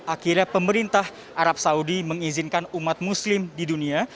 akhirnya pemerintah arab saudi mengizinkan umat muslim di dunia